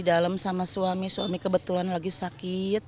alhamdulillah ya allah